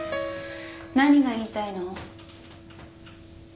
何が言いたいの？